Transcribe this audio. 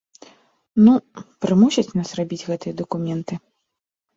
Ну, прымусяць нас рабіць гэтыя дакументы.